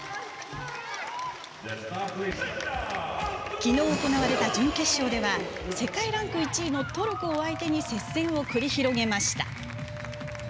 きのう行われた準決勝では世界ランク１位のトルコを相手に接戦を繰り広げました。